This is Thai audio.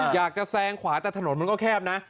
แซงขวาแต่ถนนมันก็แคบนะ